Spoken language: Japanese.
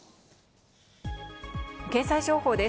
経済情報です。